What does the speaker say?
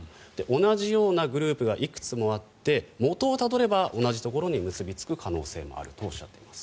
同じようなグループがいくつもあって元をたどれば同じところに結びつく可能性もあるとおっしゃっています。